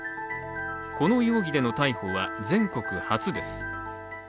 この容疑での逮捕は全国初です。